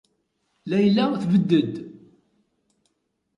Layla tebded.